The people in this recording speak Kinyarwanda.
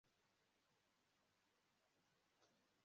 wanjye mfitemo ibyiringiro, ko ibyo